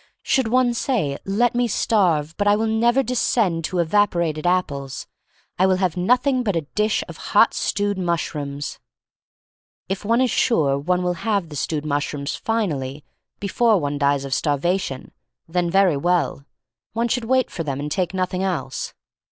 Should one say, Let me starve, but I will never descend '224 THE STORY OF MARY MAC LANE to evaporated apples; I will have noth ing but a dish of hot stewed mushrooms? If one is sure one will have the stewed mushrooms finally, before one dies of starvation, then very well. One should wait for them and take nothing else.